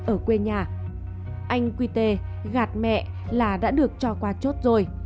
ở quê nhà anh quy tê gạt mẹ là đã được cho qua chốt rồi